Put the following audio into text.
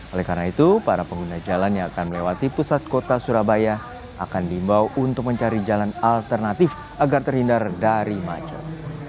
oleh karena itu para pengguna jalan yang akan melewati pusat kota surabaya akan diimbau untuk mencari jalan alternatif agar terhindar dari macet